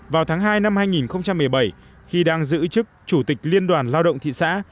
vào tháng hai năm hai nghìn một mươi bảy khi đang giữ chức chủ tịch liên đoàn lao động thị xã